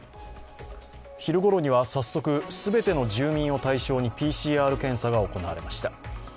昼ごろには早速全ての住民を対象にＰＣＲ検査が行われました。